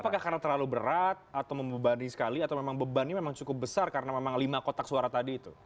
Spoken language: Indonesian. apakah karena terlalu berat atau membebani sekali atau memang bebannya memang cukup besar karena memang lima kotak suara tadi itu